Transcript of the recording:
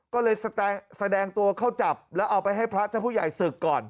ก็เลยแสดงตัวเข้าจับแล้วเอาไปให้พระเจ้าผู้ใหญ่ศึกก่อน